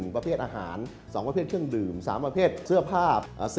๑ประเภทอาหาร๒เครื่องดื่ม๓เสื้อผ้า